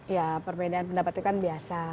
ya perbedaan pendapat itu kan biasa